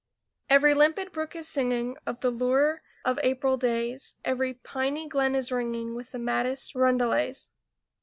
Every limpid brook is singing Of the lure of April days; Every piney glen is ringing With the maddest roundelays.